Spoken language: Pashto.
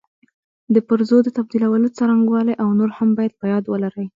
د پرزو د تبدیلولو څرنګوالي او نور هم باید په یاد ولري.